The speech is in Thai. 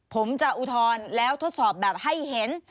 ผมจะอุทธรณ์แล้วทดสอบแบบให้เห็น